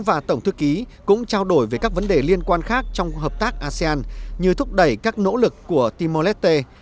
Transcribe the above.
với các vấn đề liên quan khác trong hợp tác asean như thúc đẩy các nỗ lực của timor leste